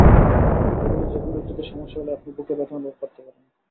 এগুলোর যেকোনো একটিতে সমস্যা হলেই আপনি বুকে ব্যথা অনুভব করতে পারেন।